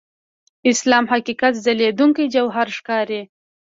اسلام حقیقت ځلېدونکي جوهر ښکاري.